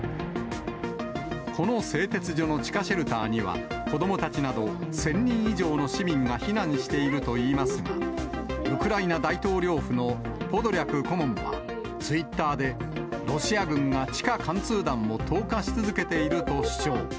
この製鉄所の地下シェルターには、子どもたちなど１０００人以上の市民が避難しているといいますが、ウクライナ大統領府のポドリャク顧問は、ツイッターで、ロシア軍が地下貫通弾を投下し続けていると主張。